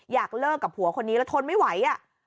อยากเลิกกับผัวคนนี้แล้วทนไม่ไหว